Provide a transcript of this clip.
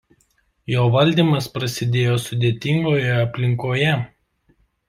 Jo valdymas prasidėjo sudėtingoje aplinkoje.